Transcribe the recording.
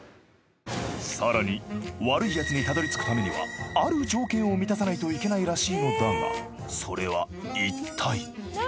さらに「悪い奴」にたどり着くためにはある条件を満たさないといけないらしいのだがそれは一体？